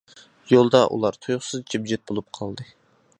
يولدا، ئۇلار تۇيۇقسىز جىمجىت بولۇپ قالدى.